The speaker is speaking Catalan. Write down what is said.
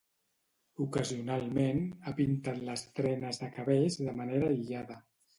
Ocasionalment, ha pintat les trenes de cabells de manera aïllada.